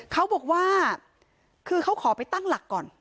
เขาบอกว่าคือเขาขอไปตั้งหลักก่อน